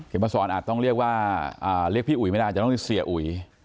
มาสอนอาจต้องเรียกว่าเรียกพี่อุ๋ยไม่ได้อาจจะต้องเรียกเสียอุ๋ย